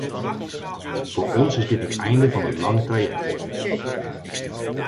Voor ons is dit het einde van een lang traject.